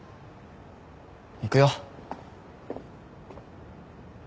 行くよ。